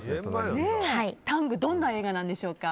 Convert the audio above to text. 「ＴＡＮＧタング」はどんな映画なんでしょうか？